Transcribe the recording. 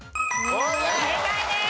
正解です。